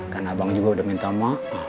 karena abang juga udah minta maaf